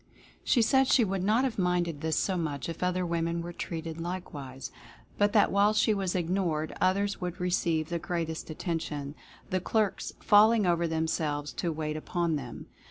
She said she would not have minded this so much if other women were treated likewise, but that while she was ignored others would receive the greatest attention, the clerks "falling over themselves" to wait upon them.